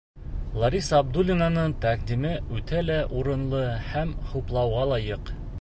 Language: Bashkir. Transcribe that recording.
Лариса Абдуллинаның тәҡдиме үтә лә урынлы һәм хуплауға лайыҡ.